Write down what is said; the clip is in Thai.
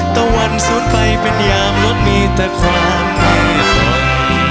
ตะวันสูญไปเป็นยามลดมีแต่ความเกลียดคอย